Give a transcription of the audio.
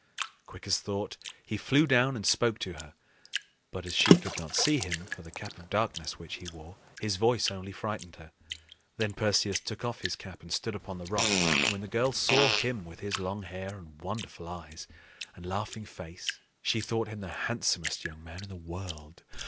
Quick as thought, he flew down and spoke to her; but, as she could not see him for the Cap of Darkness which he wore, his voice only frightened her. Then Perseus took off his cap, and stood upon the rock; and when the girl saw him with his long hair and wonderful eyes and laughing face, she thought him the handsomest young man in the world.